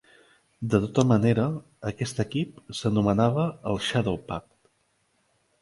De tota manera, aquest equip s'anomenava el Shadowpact.